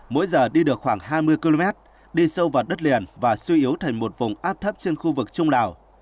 mỗi giờ đi được khoảng hai mươi km đi sâu vào đất liền và suy yếu thành một vùng áp thấp trên khu vực trung lào